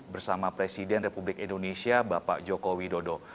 bersama presiden republik indonesia bapak joko widodo